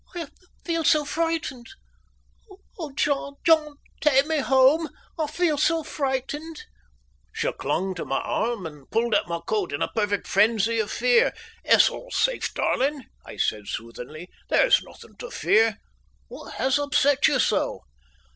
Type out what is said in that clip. "I feel so frightened. Oh, John, John, take me home, I feel so frightened!" She clung to my arm, and pulled at my coat in a perfect frenzy of fear. "It's all safe, darling," I said soothingly. "There is nothing to fear. What has upset you so?"